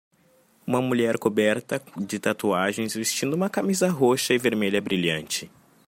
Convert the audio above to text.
Uma mulher coberta de tatuagens vestindo uma camisa roxa e vermelha brilhante